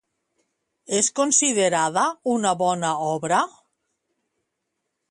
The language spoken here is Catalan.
És considerada una bona obra?